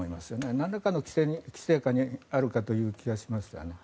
なんらかの規制下にある気がしますね。